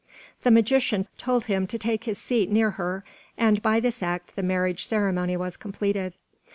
The magician told him to take his seat near her, and by this act the marriage ceremony was completed.